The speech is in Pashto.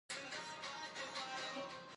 د امیر کروړ شعر ژبه ډېره سلیسه او روانه ده.